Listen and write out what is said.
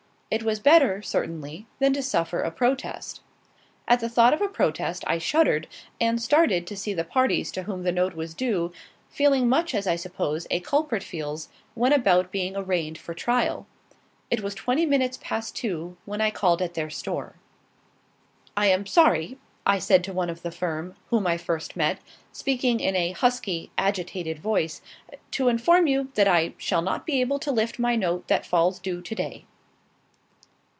It was better, certainly, than to suffer a protest. At the thought of a protest I shuddered, and started to see the parties to whom the note was due, feeling much as I suppose a culprit feels when about being arraigned for trial. It was twenty minutes past two when I called at their store. "I am sorry," I said to one of the firm, whom I first met, speaking in a husky, agitated voice, "to inform you that I shall not be able to lift my note that falls due to day."